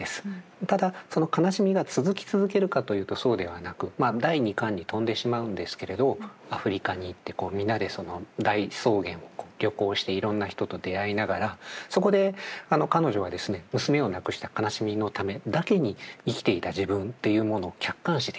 ただその悲しみが続き続けるかというとそうではなく第２巻に飛んでしまうんですけれどアフリカに行ってみんなで大草原を旅行していろんな人と出会いながらそこで彼女はですね娘を亡くした悲しみのためだけに生きていた自分というものを客観視できる。